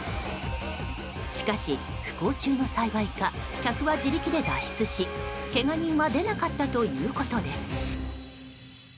しかし、不幸中の幸いか客は自力で脱出しけが人は出なかったということです。